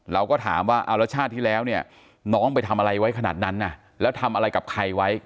เราก็ถามว่าเอาแล้วชาติที่แล้วเนี่ยน้องไปทำอะไรไว้ขนาดนั้นแล้วทำอะไรกับใครไว้